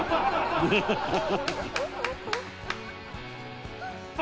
「ハハハハ！」